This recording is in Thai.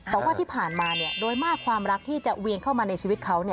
แต่ว่าที่ผ่านมาโดยมากความรักที่จะเวียนเข้ามาในชีวิตเขา